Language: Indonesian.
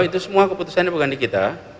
itu semua keputusannya bukan di kita